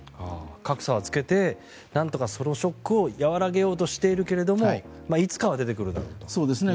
格差はつけてなんとかそのショックを和らげようとしているけれどもいつかは出てくるだろうということですね。